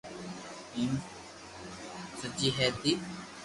ايم سڄي ھي ني